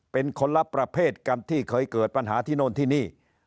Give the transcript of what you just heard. เป็นคนละประเภทกันที่เคยเกิดปัญหาที่โน่นที่นี่